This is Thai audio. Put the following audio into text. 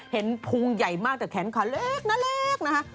เห็นภูมิใหญ่มากแต่แขนขาเล็กนะ